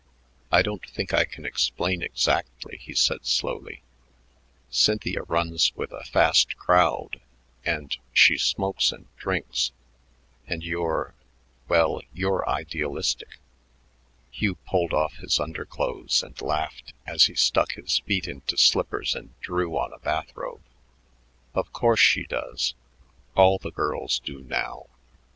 "I don't think I can explain exactly," he said slowly. "Cynthia runs with a fast crowd, and she smokes and drinks and you're well, you're idealistic." Hugh pulled off his underclothes and laughed as he stuck his feet into slippers and drew on a bath robe. "Of course, she does. All the girls do now.